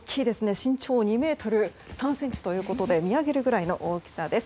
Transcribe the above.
身長２ｍ３ｃｍということで見上げるくらいの大きさです。